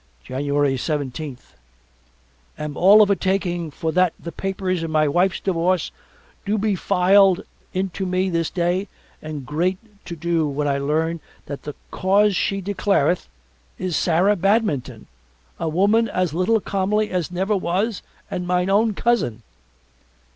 January seventeenth Am all of a taking for that the papers in my wife's divorce do be filed into me this day and great to do when I learn that the cause she declareth is Sarah Badminton a woman as little comely as never was and mine own cousin.